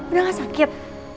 udah gak sakit